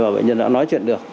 bệnh nhân đã nói chuyện được